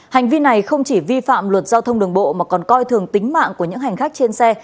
hành vi này không chỉ vi phạm luật giao thông đường bộ mà còn coi thường tính mạng của những hành khách trên xe